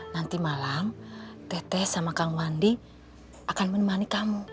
nanti malam tete sama kang wandi akan menemani kamu